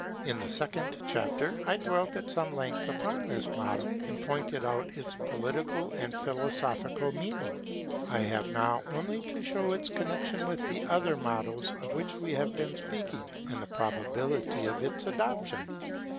In the second chapter I dwelt at some length upon this motto, and pointed out its political and philosophical meaning. I have now only to show its connexion with the other mottoes of which we have been speaking, and the probability of its adoption.